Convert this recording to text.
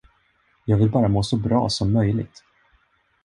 Jag vill bara må så bra som möjligt.